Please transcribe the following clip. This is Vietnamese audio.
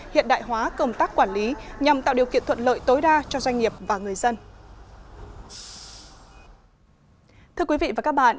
hiện đại hóa công tác quản lý nhằm tạo điều kiện thuận lợi tối đa cho doanh nghiệp và người dân